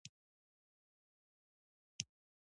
د نمو، میتابولیزم او مثل تولید وړتیاوې لري.